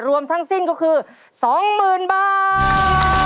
รวมทั้งสิ้นก็คือ๒๐๐๐บาท